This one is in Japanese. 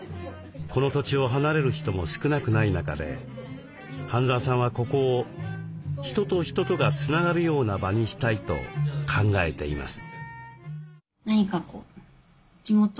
この土地を離れる人も少なくない中で半澤さんはここを人と人とがつながるような場にしたいと考えています。